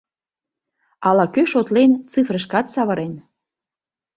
Ала-кӧ шотлен, цифрышкат савырен.